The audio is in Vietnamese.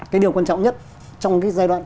cái điều quan trọng nhất trong cái giai đoạn